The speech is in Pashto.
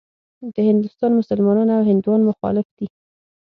د هندوستان مسلمانان او هندوان مخالف دي.